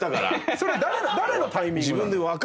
それ誰のタイミングなの？